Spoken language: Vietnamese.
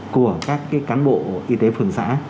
của các cái cán bộ y tế phường xã